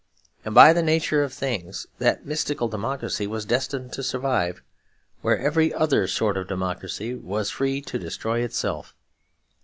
And by the nature of things that mystical democracy was destined to survive, when every other sort of democracy was free to destroy itself.